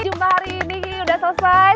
jumpa hari ini sudah selesai